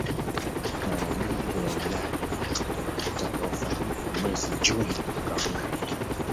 na wabunge wa ulaya utakaofanyika mwezi juni mwaka huu